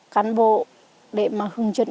cán bộ để mà hướng dẫn